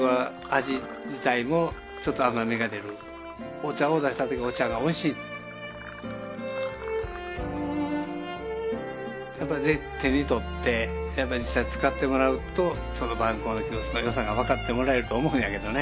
お茶を出したときにお茶がおいしいやっぱ是非手に取ってやっぱ実際使ってもらうとその萬古の急須の良さが分かってもらえると思うんやけどね